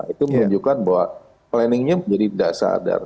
itu menunjukkan bahwa planningnya menjadi tidak sadar